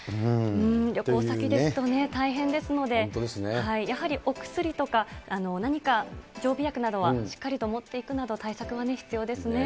旅行先ですとね、大変ですので、やはりお薬とか何か常備薬などは、しっかりと持っていくなど、対策は必要ですね。